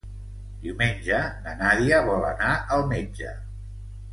Diumenge na Nàdia vol anar al metge.